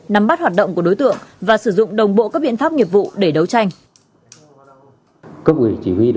nắm bắt hoạt động của đối tượng và sử dụng đồng bộ các biện pháp nghiệp vụ để đấu tranh